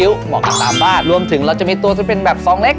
หรือว่าจะเป็นไอศ์กิ๊วมอบกันตามบ้านรวมถึงเราจะมีตัวที่มีแบบซองเล็ก